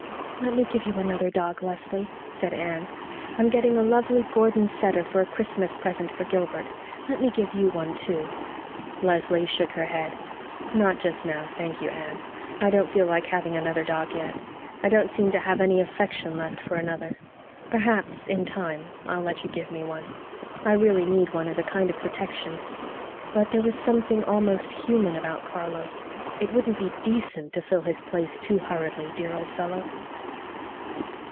"Let me give you another dog, Leslie," said Anne. "I'm getting a lovely Gordon setter for a Christmas present for Gilbert. Let me give you one too." Leslie shook her head. "Not just now, thank you, Anne. I don't feel like having another dog yet. I don't seem to have any affection left for another. Perhaps in time I'll let you give me one. I really need one as a kind of protection. But there was something almost human about Carlo it wouldn't be DECENT to fill his place too hurriedly, dear old fellow."